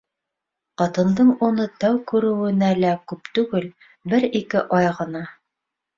Ҡатындың уны тәү күреүенә лә күп түгел, бер-ике ай ғына.